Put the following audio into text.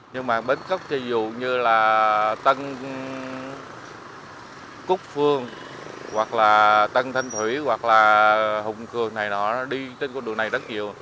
nhưng mà bến cấp chế dụ như là tân cúc phương hoặc là tân thanh thủy hoặc là hùng cường này nó đi trên con đường này rất nhiều